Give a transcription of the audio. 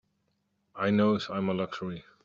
I knows I'm a luxury.